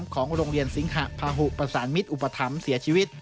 ของโรงเรียนสิงหะพาหุประสานมิตรอุปถัมภ์เสียชีวิต